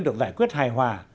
được giải quyết hài hòa